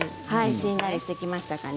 しんなりしてきましたかね。